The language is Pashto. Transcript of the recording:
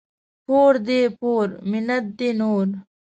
پور دي پور ، منت دي نور.